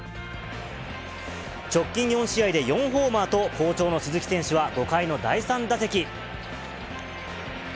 直近４試合で４ホーマーと、好調の鈴木選手は５回の第３打席。